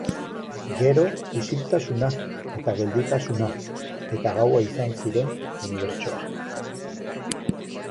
Gero isiltasuna, eta gelditasuna, eta gaua izan ziren unibertsoa.